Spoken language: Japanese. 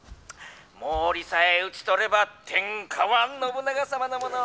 「毛利さえ討ち取れば天下は信長様のもの！